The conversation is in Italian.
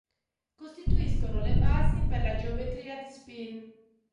Costituiscono le basi per la geometria di spin.